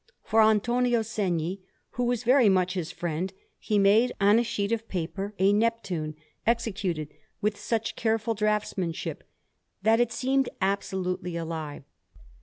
For Antonio Segni, who was very much his friend, he made, on a sheet of paper, a Neptune executed with such careful draughtsmanship that it seemed absolutely alive.